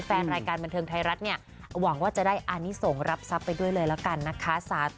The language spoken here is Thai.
แฟนรายการบันเทิงไทยรัฐเนี่ยหวังว่าจะได้อานิสงฆ์รับทรัพย์ไปด้วยเลยแล้วกันนะคะ